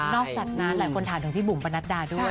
จากนั้นหลายคนถามถึงพี่บุ๋มประนัดดาด้วย